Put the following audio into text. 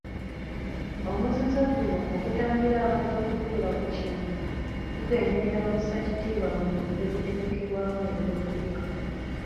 Omuzizo guno ogutangira abantu okutuula ku kintu gugenderera kussa kitiibwa mu bintu ebitegekerwamu ebyokulya.